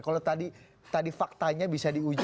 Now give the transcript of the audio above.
kalau tadi faktanya bisa diuji